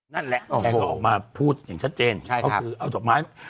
นั่นแหละแกก็ออกมาพูดอย่างชัดเจนก็คือเอาดอกไม้